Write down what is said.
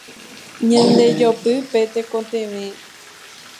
Ñandejopy pe tekotevẽ.